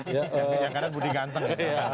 yang kanan budi ganteng